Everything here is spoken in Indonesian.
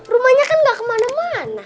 rumahnya kan gak kemana mana